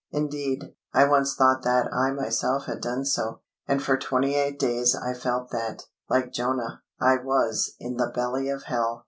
Indeed, I once thought that I myself had done so, and for twenty eight days I felt that, like Jonah, I was "in the belly of hell."